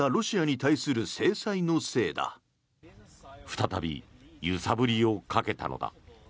再び揺さぶりをかけたのだ。